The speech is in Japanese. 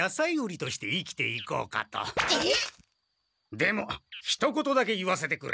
でもひと言だけ言わせてくれ。